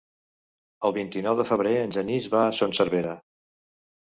El vint-i-nou de febrer en Genís va a Son Servera.